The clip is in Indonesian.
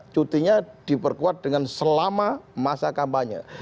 cutinya diperkuat dengan selama masa kampanye